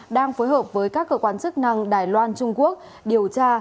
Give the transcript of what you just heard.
đang phối hợp với các cơ quan chức năng đài loan trung quốc điều tra xử lý vụ việc